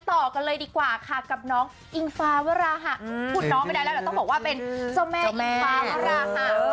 ต่อกันเลยดีกว่าค่ะกับน้องอิงฟ้าวราหะขุดน้องไม่ได้แล้วแต่ต้องบอกว่าเป็นเจ้าแม่อิงฟ้าวราหะ